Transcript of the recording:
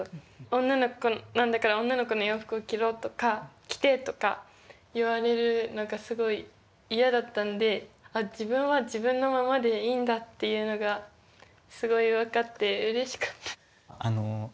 女の子なんだから女の子の洋服を着ろとか着てとか言われるのがすごい嫌だったんであ自分は自分のままでいいんだっていうのがすごい分かってうれしかった。